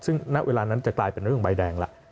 ซึ่งณเวลานั้นจะกลายเป็นเรื่องใบแดงแล้ว